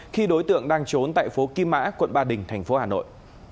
khi đối tượng đang trốn tại phố kim mã quận ba đình thành phố hà nội